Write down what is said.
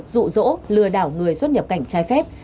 dụ dỗ lừa đảo người xuất nhập cảnh trái phép